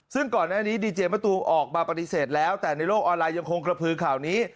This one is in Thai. ซึ่งก่อนหน้านี้ดีเจมะตูออกมาปฏิเสธแล้วแต่ในโลกออนไลน์ยังคงกระพือข่าวนี้